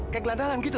kayak gelandang gitu